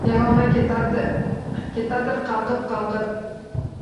Ketadir qalqib- qalqib.